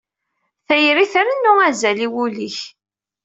Tayri trennu azal i wul-ik.